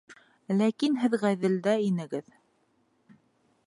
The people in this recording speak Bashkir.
Ләкин һеҙ ғәҙел дә инегеҙ.